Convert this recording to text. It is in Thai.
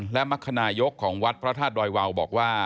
และมรรคนายกของวัดพระธาตุดอยวาวบอกว่า